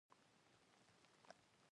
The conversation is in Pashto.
تنور د ډوډۍ ارزښت زیاتوي